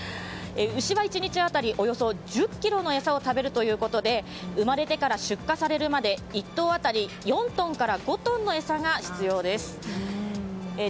牛は１日当たり１０ｋｇの餌を食べるということで生まれてから出荷されるまで１頭当たり４トンから５トンの餌が必要です。